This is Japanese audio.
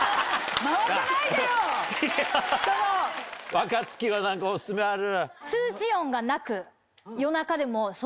若槻は何かオススメある？